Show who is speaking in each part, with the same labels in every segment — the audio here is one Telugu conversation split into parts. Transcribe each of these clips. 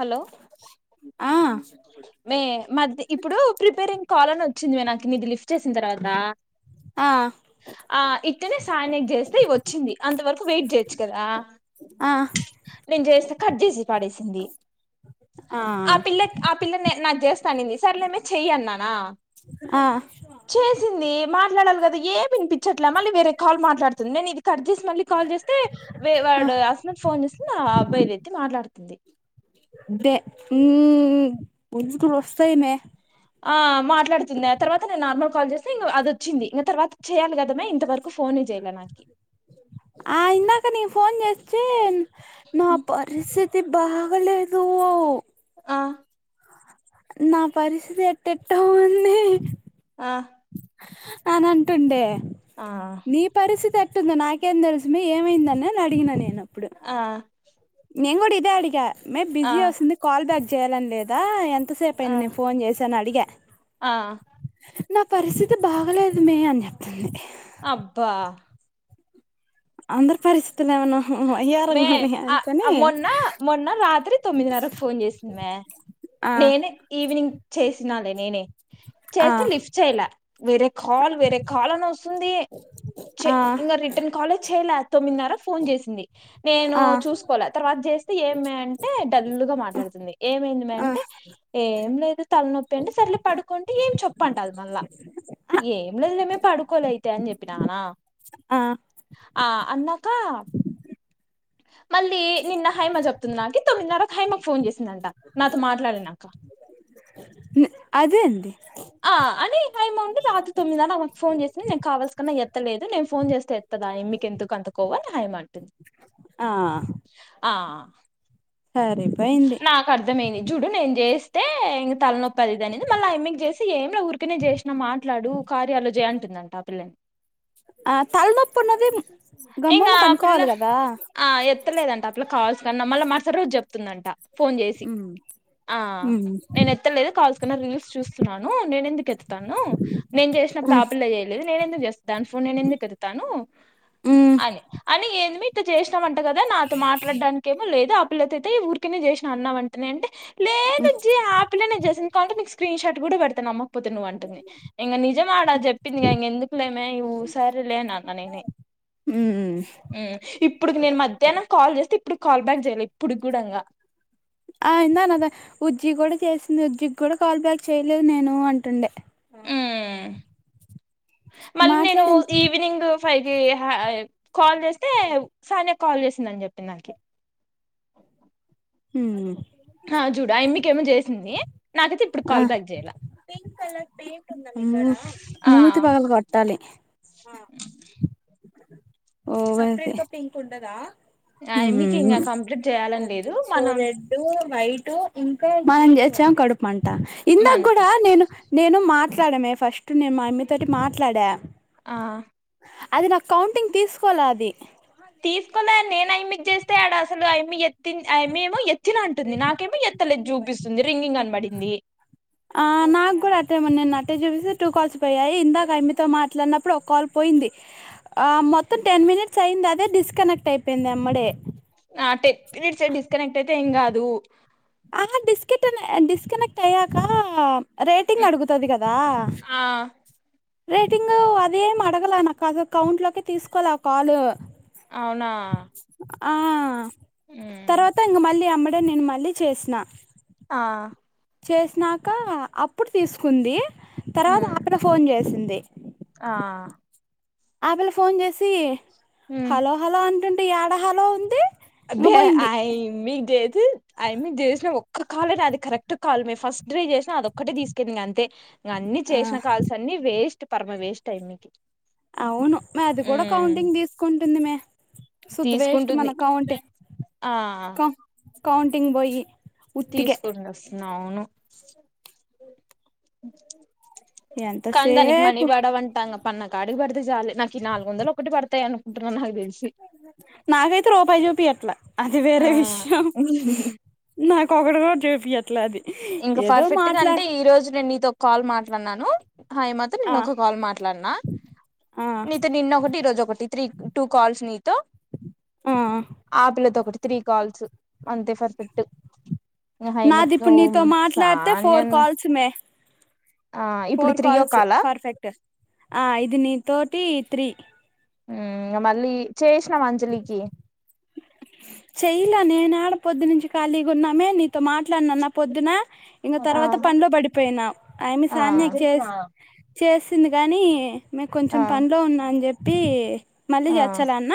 Speaker 1: హలో
Speaker 2: ఆ
Speaker 1: మే మధ్య ఇప్పుడు ప్రిపేరింగ్ కాల్ అని వచ్చిందిమే నాకు నీది లిఫ్ట్ చేసిన తర్వాత
Speaker 2: అ
Speaker 1: ఆ ఇట్టనే సాయన్నయ్యకి జెస్తే వచ్చింది అంతవరకు వెయిట్ చేయొచ్చు కదా
Speaker 2: ఆ
Speaker 1: నేను జేస్తే కట్ చేసి పాడేసింది
Speaker 2: ఆ
Speaker 1: నాకు జేస్తా అనింది సర్లే మే చెయ్ అన్నానా
Speaker 2: ఆ
Speaker 1: చేసింది మాట్ మాట్లాడాలి కదా ఏమ్ వినిపించట్ల మళ్లీ వేరే కాల్ మాట్లాడుతుంది నేను నీది కట్ చేసా మళ్ళీ కాల్ చేస్తే వే
Speaker 2: ఆ
Speaker 1: వాడు అస్మిత్ ఫోన్ చేసి ఆ అబ్బాయిదేత్తి మాట్లాడుతుంది
Speaker 2: [unintelligible]
Speaker 1: ఆ మాట్లాడుతుంది తర్వాత నేను నార్మల్ కాల్ చేస్తే ఇంక అది వచ్చింది ఇంక తర్వాత చేయాలి కదమ్మే ఇంతవరకు ఫోన్ ఫోనే చెయ్యలే నాకి
Speaker 2: ఆ ఇందాక నేను ఫోన్ చేస్తే నా పరిస్ పరిస్థితి బాగాలేదు
Speaker 1: ఆ
Speaker 2: నా పరిస్థితి ఎట్టెట్టో ఉంది
Speaker 1: ఆ
Speaker 2: అని అంటుండే
Speaker 1: ఆ
Speaker 2: నీ పరిస్థితి ఎ ఎట్ట ఉందో నాకేం తెలుసుమే ఏమైందని అని అడిగిన నేను అప్పుడు
Speaker 1: ఆ
Speaker 2: నేను కూడా ఇదే అడిగా మే
Speaker 1: ఆ
Speaker 2: బిజీ వస్తుంది కాల్ బ్యాక్ చేయ్యాలని లేదా ఎంత ఎంతసేపు
Speaker 1: ఆ
Speaker 2: అయింది నేను ఫోన్ చేసి అని అడిగ
Speaker 1: ఆ
Speaker 2: నా పరిస్థితి బాగలేదు మే అని చెప్తుంది
Speaker 1: అబ్బా
Speaker 2: అందరి పరిస్థితులు ఏమన్నా
Speaker 1: మే
Speaker 2: వయ్యారంగా ఉన్నాయా
Speaker 1: ఆ
Speaker 2: అనుకొని
Speaker 1: మొన్న మొన్న రాత్రి తొమ్మిదిన్నరకు ఫోన్ చేసింది మే
Speaker 2: ఆ
Speaker 1: నేనే ఈవినింగ్ చేసినాలే నేనే
Speaker 2: ఆ
Speaker 1: చేస్తే లిఫ్ట్ చెయ్యల వేరే కాల్ వేరే కాల్ అని వస్తుంది చె
Speaker 2: ఆ
Speaker 1: ఇంకా రిటర్న్ కాల్ చేయలే తొమ్మిదిన్నరకి ఫోన్ చేసింది నేను
Speaker 2: ఆ
Speaker 1: చూసుకోలే తర్వాత చేస్తే ఏమే అంటే డల్గా మాట్లాడుతుంది ఏమైంది మే
Speaker 2: ఆ
Speaker 1: అంటే ఏం లేదు తలనొప్పి అంటే సర్లే పడుకొ అంటే ఏం చెప్పు అంటది మల్లా ఏం లేదులేమే పడుకోలే అయితే అని చెప్పినానా
Speaker 2: ఆ
Speaker 1: ఆ అన్నాకా మళ్ళీ నిన్న హైమ చెప్తుంది నాకి తొమ్మిదిన్నరకు హైమకు ఫోన్ చేసి నంటా నాతో మాట్లాడలేనాక
Speaker 2: అదే అండి
Speaker 1: ఆ అని హైమాకు రాత్రి తొమ్మిది అన్నకు ఫోన్ చేసి నేను కావల్సి కన్నా ఎత్తలేదు నేను ఫోన్ చేస్తే దాన్ని మీకెందుకు అంతకోవాని హయమంటుంది
Speaker 2: ఆ
Speaker 1: ఆ
Speaker 2: సరిపోయింది
Speaker 1: నాకు అర్ధమైంది జుడు నేను చేస్తా అతే ఇంక తలనొప్పిది అనిది మళ్ళీ ఆమకి చేసి ఏం ఊరికనే చేసిన మాట్లాడు కార్యాలు చేయ అంటుంది అంటఆ పిల్లె
Speaker 2: ఆ తల్నొప్పున్నది
Speaker 1: ఏంగ ఆ పిల్ల ఆ ఎత్తలేదంట అట్లా కాల్స్ కన్నా మళ్ళీ మరుసటి రోజు చెప్తుందంట ఫోన్ చేసి
Speaker 2: ఉమ్
Speaker 1: ఆ
Speaker 2: ఉమ్
Speaker 1: నేను ఎత్తలేదు కాల్స్ కన్నా రీల్స్ చూస్తున్నాను నేను ఎందుకు ఎత్తాను నేను చేసినప్పుడు ఆ పిల్ల చేయలేదు నేనెందుకు చేస్తాను ఫోన్ నేను ఎందుకు ఎత్తుతాను
Speaker 2: ఉమ్
Speaker 1: అని, అని ఏంది అమ్మి ఇట్ట ఇం అంట కదా నాతో మాట్లాడడానికేమ లేదు ఆ పిల్లతో అతే ఈ ఊకనే చేసిన అన్న వంటనే అంటే లేదు విజ్జి ఆ పిల్ల నే చేసింది కావాలంటే మీకు స్క్రీన్షట్ కూడా పెడుతున్నామ్ తప్పుతి నువ్వు అంటుంది ఇంక నిజమా ఆడ చెప్పింది ఇక ఎందుకు లేమే ఈ వుసారలేనిన్న నేనే
Speaker 2: ఉమ్
Speaker 1: ఇప్పుడుకి నేను మధ్యాహ్నం కాల్ చేస్తా ఇప్పుడు కాల్ బ్యాక్ చేయాల ఇప్పుడు కూడా ఇంగా
Speaker 2: ఆయిందాన్నదా ఉజ్జి కూడా చేసింది ఉజ్జి కూడా కాల్ బ్యాక్ చేయలేదు నేను అంటుండే ఆ
Speaker 1: ఇంగ మళ్ళీ నేను
Speaker 2: మాట్లాడింది
Speaker 1: ఈవినింగ్ ఫైవ్కి కాల్ చేస్తే సాని కాల్ చేసిందని చెప్పిది నాకు
Speaker 2: హ
Speaker 1: ఆ చూడా మీకేమో చేసింది అయితే ఇప్పుడు
Speaker 2: ఆ
Speaker 1: కాల్ బ్యాక్ చేయాల ఆ
Speaker 2: మూతి పగలు కొట్టాలి ఓ వె పింక్ ఉండదా
Speaker 1: ఆయమ్మికి ఇంకా కంప్లీట్ చేయాలని లేదు
Speaker 2: సో
Speaker 1: మనం
Speaker 2: రెడ్డు బయట ఇంకా మనం చేసాం కడుపుంట ఇందక
Speaker 1: మనంత
Speaker 2: కూడా నేను నేను మాట్ మాట్లాడమే ఫస్ట్ నేను మా మమ్మీతోటి మాట్లాడా
Speaker 1: ఆ
Speaker 2: అది నాకు కౌంటింగ్ తీసుకోవాల అది
Speaker 1: తీసుకోలే నేను ఆ అమ్మికి జేస్తే ఆడ అసలు ఆ అమ్మి ఎత్తి ఆ అమ్మి ఏమొ ఎత్తిన అంటుంది నాకేమో ఎత్తలేదు జూపిస్తుంది రింగింగ్ అని బడింది
Speaker 2: తేమొ నిన్న అట్టే చూపిస్తే టూ కాల్స్ పోయాయి ఇందాక ఆయమ్మితో మాట్లాడినప్పుడు ఒక కాల్ పోయింది ఆ మొత్తం టెన్ మినిట్స్ అయింది అదే డిస్కనెక్ట్ అయిపోయింది యెమ్మడే
Speaker 1: ఆ టెన్ మినిట్స్ ఏ డిస్కనెక్ట్ అయితే ఏం గాదు
Speaker 2: ఆ డిస్కెట్ డిస్కనెక్ట్ అయ్యాక రేటింగ్ అడుగుతది గదా
Speaker 1: ఆ
Speaker 2: రేటింగు అదేం అడగలే నా కది కౌంట్లోకి తీసుకోలే కాల్
Speaker 1: అవునా
Speaker 2: ఆ తర్వాత ఇంగ మళ్ళీ యమ్మడే నేను మళ్ళీ చేసిన
Speaker 1: ఆ
Speaker 2: చేసినాక అప్పుడు తీసుకుంది తర్వాత
Speaker 1: ఉమ్,
Speaker 2: ఆపిల్లనే ఫోన్ జేసింది
Speaker 1: ఆ
Speaker 2: ఆపిల్ల ఫోన్ జేసి
Speaker 1: ఉమ్.
Speaker 2: హలో హలో అంటుంటే యెడ హలో ఉంది ఇంగ
Speaker 1: అదే
Speaker 2: పోయింది
Speaker 1: మీకు జేసి ఆయమ్మి కి జేసిన ఒక్క కాలే నాది కరెక్ట్ కాల్ మే ఫస్ట్ డ్రీ జేసిన అది ఒక్కటే తీసుకుంది అంతే ఇగ అన్ని
Speaker 2: ఆ
Speaker 1: చేసిన కాల్స్ అన్ని వేస్ట్ పరమ వేస్ట్ అయినాయ్
Speaker 2: అవును మాది గూడా కౌంటింగ్ తీసుకుంటుంది మే శుద్ధ వేస్ట్ మన
Speaker 1: తీసుకుంటుంది
Speaker 2: కౌం
Speaker 1: ఆ
Speaker 2: కౌంటింగ్ బోయి
Speaker 1: తీసుకుని వస్తున్నా అవును కాని దానికి మనీ
Speaker 2: ఎంతసేపు
Speaker 1: పడవంటా పన్న కాడికి పడితే చాలు నాకు ఈ నాలుగు వందలు ఒకటి పడతయి అనుకుం
Speaker 2: నాకైతే రూపాయి చూపి యట్లె అది
Speaker 1: ఆ
Speaker 2: వేరే విషయం నాకు ఒకటి గూడ జూపియదు
Speaker 1: ఇంకా పర్ఫెక్ట్ గా అంటే ఈ రోజు నేను నీతో కాల్ మాట్లాడినాను హాయ్ మాత్రం
Speaker 2: ఆ
Speaker 1: నిన్న ఒక కాల్ మాట్లాడినా
Speaker 2: ఆ
Speaker 1: నీతో నిన్న ఒకటి ఈ రోజు ఒకటి త్రీ టూ కాల్స్ నీ తో
Speaker 2: ఆ
Speaker 1: ఆ పిల్లతో ఒకటి త్రీ కాల్స్ అంతే ఫర్ఫెక్ట్ ఇగ హైమ
Speaker 2: నాది ఇప్పుడు నీతో మాట్లాడితే ఫోర్ కాల్స్ మే
Speaker 1: ఆ ఇప్పుడు
Speaker 2: ఫోర్
Speaker 1: త్రియో
Speaker 2: కాల్స్
Speaker 1: కాలా
Speaker 2: పర్ఫెక్ట్ ఆ ఇది నీ తోటి త్రీ
Speaker 1: మ్ మళ్ళీ చేసినాం అంజలికి
Speaker 2: చెయ్యలే నేను ఆడ పొద్దునుంచి ఖాళీగా ఉన్నామే ని తో మాట్లాడినన పొద్దున ఇంగ
Speaker 1: ఆ
Speaker 2: తర్వాత పనిలో బడిపోయినా ఆయన్ని
Speaker 1: ఆ
Speaker 2: సాన్ని చేసి చేసింది గానీ మే
Speaker 1: ఆ
Speaker 2: కొంచెం పనిలో ఉన్నా అని జెప్పి మళ్ళీ
Speaker 1: ఆ
Speaker 2: జేచ్చలే అన్న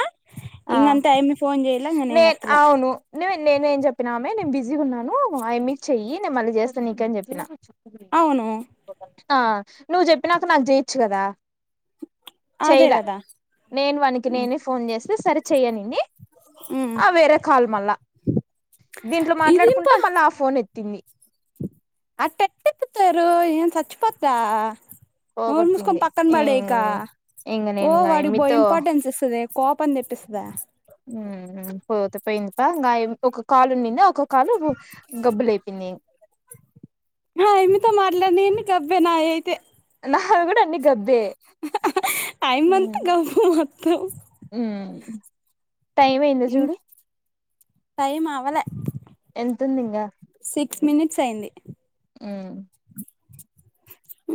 Speaker 2: ఇంగంతే ఆయమీ ఫోన్ జే
Speaker 1: నే అవును నేనే ఏం జెప్పినామె నేను బిజీ ఉన్నాను ఆమీ చెయ్యి నేను మళ్ళీ జేస్తా నీకని జెప్పినా
Speaker 2: అవును
Speaker 1: ఆ నువ్వు జెప్పినాక నాకు జేయొచ్చు గదా
Speaker 2: అదే గదా
Speaker 1: నేను వన్ కి నేనే ఫోన్ జేస్తే సరే చెయ్యనింది
Speaker 2: ఉమ్
Speaker 1: ఆ వేరే కాల్ మళ్ళా దీంట్లో
Speaker 2: ఇదింప
Speaker 1: మాట్లాడుకుంటే మళ్ళా ఆ ఫోన్ ఎ త్తింది
Speaker 2: అ టెట్ట ఇప్పుతరు ఏమ్ సచ్చిపోద్దా నోర్ ముస్కొని
Speaker 1: పోగొట్టింది
Speaker 2: పక్కన బడేకా
Speaker 1: ఇంగ
Speaker 2: ఓ
Speaker 1: నేను ఇంగ
Speaker 2: వాడికి బో
Speaker 1: యమ్మితో
Speaker 2: ఇంపార్టెన్స్ ఇస్తదే కోపం దెప్పిస్తదే
Speaker 1: మ్ పోతే పోయిందిపో ఒక కాలు ఉండింది ఒ ఒక కాలు గబ్బు లేపింది
Speaker 2: ఆ అమ్మితో మాట్లాడిని అన్ని నకబ్బే నా అయితే
Speaker 1: నావి కూడా అన్ని గబ్బే
Speaker 2: ఐమంత గబ్బు మొత్తం
Speaker 1: టైం అయింద
Speaker 2: ఇం
Speaker 1: చూడు
Speaker 2: టైం అవలే
Speaker 1: ఎంతుంది ఇంగా
Speaker 2: సిక్స్ మినిట్స్ అయింది
Speaker 1: మ్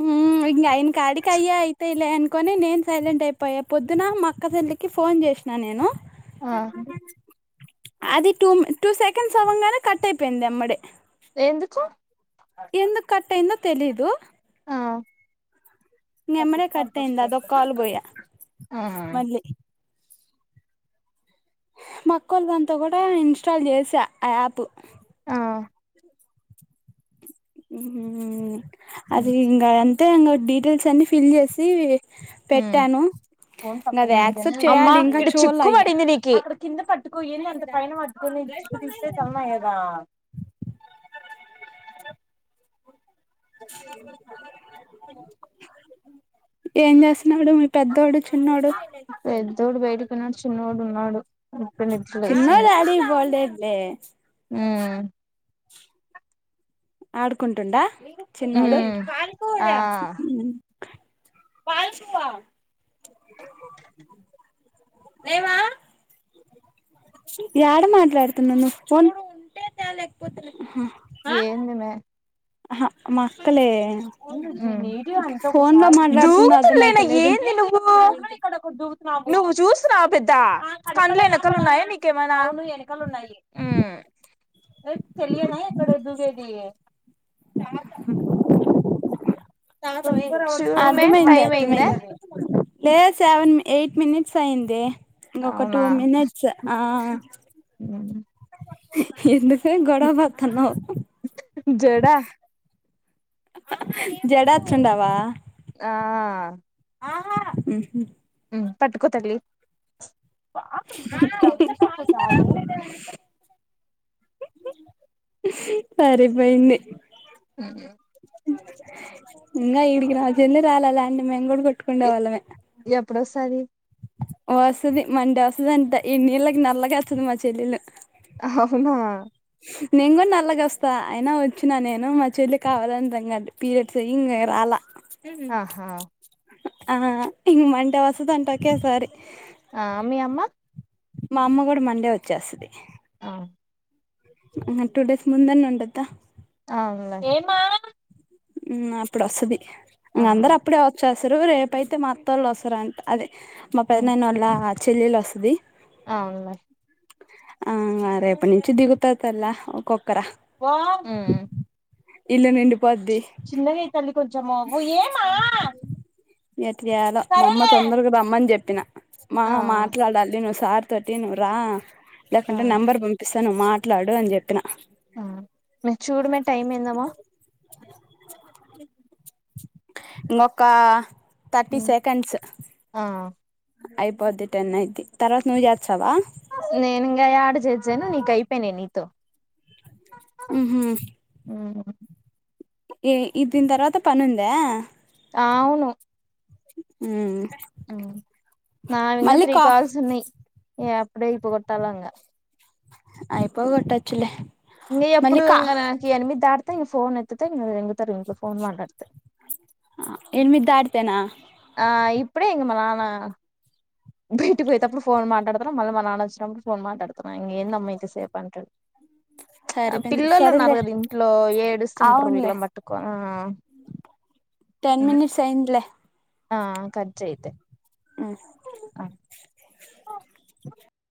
Speaker 2: మ్ ఇంగ ఆయిన కాడికి అయ్యా అయితేలే అనుకొని నేను సైలెంట్ అయిపోయా పొద్దున మా అక్క ఇకి ఫోన్ చేసినా నేను
Speaker 1: ఆ
Speaker 2: అది టూ టూ సెకండ్స్ అవ్వగానే కట్ అయిపోయింది ఎమ్మడే
Speaker 1: ఎందుకు
Speaker 2: ఎందు కట్టయింద తెలీదు
Speaker 1: ఆ
Speaker 2: ఎమ్మటే కట్టయింద అదొ కల్ బొయ్య
Speaker 1: ఆ
Speaker 2: మళ్లీ మా అక్కోళ్ల దాంట్లో కూడా ఇన్స్టాల్ చేసా ఆ యాప్
Speaker 1: ఆ
Speaker 2: ఉమ్ అది ఇంకా అంతే ఇంకా డీటెయిల్స్ అన్ని ఫిల్ చేసి పెట్టాను ఇంక అది యాక్సెప్ట్
Speaker 1: అమ్మా
Speaker 2: చేయాలి ఇంకా
Speaker 1: ఇడా
Speaker 2: చూడాల
Speaker 1: చిక్కు
Speaker 2: అయ్య
Speaker 1: పడింది నీకి ఇకు తన్ మై ఎదా
Speaker 2: ఏం చేస్తున్నాడు మీ పెద్దోడు చిన్నోడు
Speaker 1: ఇకిన చిన్నోడు ఉన్నాడు ఇప్పుడు నిద్ర
Speaker 2: చిన్నోడు
Speaker 1: లేసింది
Speaker 2: ఎడాకి పోలేడులే
Speaker 1: ఆమ్
Speaker 2: ఆడుకుంటుడా చిన్నోడు
Speaker 1: ఉమ్ ఆ
Speaker 2: పారేసువా లేేవా యాడ మాట్లాడుతున్నావ్ నువ్వు ఫోన్
Speaker 1: ఏంది మే
Speaker 2: ఆహా మా అక్క లేే మాట్లాడుతుందో
Speaker 1: దుకుతూడు
Speaker 2: అర్థం
Speaker 1: లే మే
Speaker 2: అయితలేదు
Speaker 1: ఎంది నువ్వు నువ్వు చూస్తున్నావా పెద్ద కండ్ల వెనకలు ఉన్నాయా నీ ఏమైనాలు ను ఏనుకాలు ఉన్నాయి ఏ చలియనా ఇక్కడ దుబేది ఉమ్ చూడు మే
Speaker 2: అర్ధమైంది
Speaker 1: టైం అయిందా
Speaker 2: అర్థమైంది లేదా సెవెన్ ఎయిట్ మినిట్స్ అయ్యిందే ఇంకా ఒక టూ
Speaker 1: అవునా
Speaker 2: మినిట్స్ ఆ ఎందుకే గోడవా పడుతున్నావ్
Speaker 1: జడా
Speaker 2: జడా ఎత్తుడావా
Speaker 1: ఆ
Speaker 2: ఆహా
Speaker 1: పట్టుకో తల్లి
Speaker 2: సరిపోయింది ఇంకా ఇడికి నా చిన్న రాలాల అంటిడి మేము కూడా కొట్టుకుండే వాళ్ళమే
Speaker 1: ఎప్పుడొస్తంది
Speaker 2: వస్తది మండడి వస్తుంది అంత ఈ నీళ్ళకి నల్లగా వస్తుంది మా చెల్లెలు
Speaker 1: అవునా
Speaker 2: నేను కూడా నల్లగా వస్తా అయినా వచ్చిన నేను మా చెల్లికి కావాలంటాం కా పీరియడ్స్ అయ్యి ఇంకా రాలా
Speaker 1: ఆహా
Speaker 2: ఆ ఇంకా మండే వస్తంది అంటే ఒకేసారి
Speaker 1: ఆ మీ అమ్మ
Speaker 2: మా అమ్మ కూడా మండే వచ్చేస్తది
Speaker 1: ఆ
Speaker 2: అహా టూ డేస్ ముందనే ఉంటతా
Speaker 1: ఏంది మా
Speaker 2: ఉమ్ అప్పుడు వస్తది ఉమ్ అందరు అప్పుడే వచ్చేస్తారు రేపు అయితే మా అత్త వాళ్ళు వస్తారు అంట అదే మా పెద్దనాన్న వాళ్ళ చెల్లెలు వస్తది
Speaker 1: అవున్ లే
Speaker 2: ఆ రేపుటి నుంచి దిగుతా తలా ఒక్కొక్కర
Speaker 1: వో
Speaker 2: ఇల్లు నిండు
Speaker 1: చిన్నగా అవుతుంది కొంచెం ఏమా
Speaker 2: ఎట్ చేయాలో మా అమ్మ
Speaker 1: సరేలే
Speaker 2: తొందరగా రమ్మని చెప్పిన మా
Speaker 1: ఆ
Speaker 2: మాట్లాడాలి నువ్వు సార్ తోటి నువ్వు రా
Speaker 1: ఆ
Speaker 2: లేకంటే నెంబర్ పంపిస్తా నువ్వు మాట్లాడు అని చెప్పి
Speaker 1: మీరు చూడమే టైం ఏందమ్మా
Speaker 2: ఇంకొకా థర్టీ సెకండ్స్
Speaker 1: ఆ
Speaker 2: అయిపోద్ది టెన్ అయిది తర్వాత నువవు చేసావా
Speaker 1: నేను ఇంకా ఆడ చేచ్చాను నీక అయిపోయినా నీతో
Speaker 2: ఆహ ఏ ఇది దిన తర్వాత పనిందా
Speaker 1: అవును
Speaker 2: ఉ
Speaker 1: నా ఇంకా త్రీ
Speaker 2: కా
Speaker 1: కాల్స్ ఉన్నాయి ఏ అప్పుడే ఇప్పు కొట్టాలంగా
Speaker 2: అయిపో కొట్ట వచ్చలే
Speaker 1: ఇంక ఎప్పుడు ఇంకా ఎనిమిది దాడితే ఇంక ఫోన్ ఎత్తే ఇంక ఎంగుతారు ఇం ఫోన్ మాట్లాడితే
Speaker 2: ఎనిమిది దాటితేనా
Speaker 1: ఆ ఇప్పుడే ఇ మా నాన్న బయట పోయప్పుడు ఫోన్ మాట్లాడు మళ్ మ మా నాన వచ్చినప్పుడు పోన్ మాట అడున్నా ఇం ఎ అమ్మకి సేవ్ంట
Speaker 2: సరిపోయింది
Speaker 1: పిల్లలు ఉన్నారు
Speaker 2: సరేలే
Speaker 1: కదా ఇంట్లో ఏ ఏడుస్తుంటారు వీళ్ళ
Speaker 2: అవునులే
Speaker 1: మట్టుకొని ఆ
Speaker 2: టెన్ మిట్స్ అయినలే
Speaker 1: ఆ కరెక్ట్ అయితే
Speaker 2: ఉమ్
Speaker 1: [inaudible]